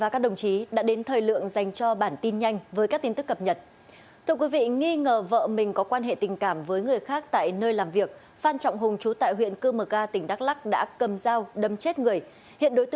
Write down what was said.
các bạn hãy đăng ký kênh để ủng hộ kênh của chúng mình nhé